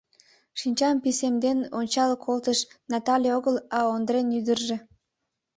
Шинчам писемден ончал колтыш — Натале огыл, а Ондрен ӱдыржӧ.